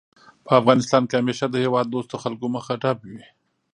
په افغانستان کې همېشه د هېواد دوستو خلکو مخه ډب وي